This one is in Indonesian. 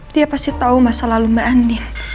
dia pasti tau masa lalu mbak andin